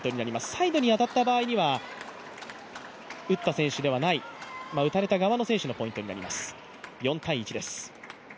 サイドに当たった場合には打った選手ではない、打たれた側の選手のポイントになります。